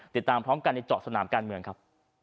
ติดตามพร้อมกันในเจาะสนามการเมืองครับ